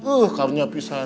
uh karunya pisah